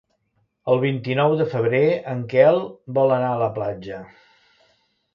El vint-i-nou de febrer en Quel vol anar a la platja.